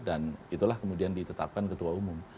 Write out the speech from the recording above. dan itulah kemudian ditetapkan ketua umum